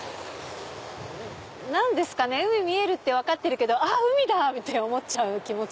何ですかね海見えるって分かってるけど海だ！って思っちゃう気持ち。